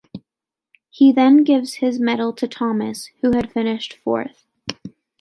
He then gives his medal to Thomas, who had finished fourth.